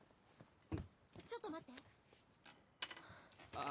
ちょっと待ってああ